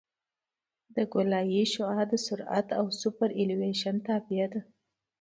د ګولایي شعاع د سرعت او سوپرایلیویشن تابع ده